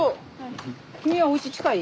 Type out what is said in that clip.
君はおうち近い？